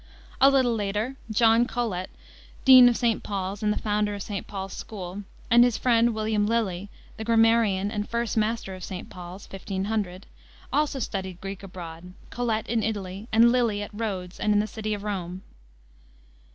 A little later John Colet, Dean of St. Paul's and the founder of St. Paul's School, and his friend, William Lily, the grammarian and first master of St. Paul's (1500), also studied Greek abroad, Colet in Italy, and Lily at Rhodes and in the city of Rome.